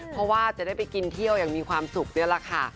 เพราะว่าจะได้ไปกินเที่ยวอย่างมีความสุขนี่แหละค่ะ